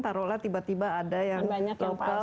taruhlah tiba tiba ada yang lokal